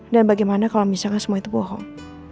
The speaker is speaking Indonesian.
bagaimana kalau misalnya semua itu bohong